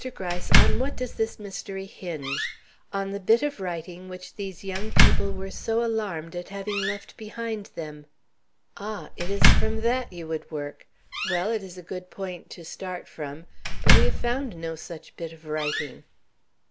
Gryce, on what does this mystery hinge? On the bit of writing which these young people were so alarmed at having left behind them." "Ah! It is from that you would work! Well, it is a good point to start from. But we have found no such bit of writing."